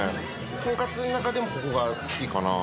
とんかつの中でも、ここが好きかな。